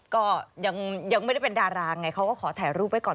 ก็ยังไม่ได้เป็นดาราไงเขาก็ขอถ่ายรูปไว้ก่อน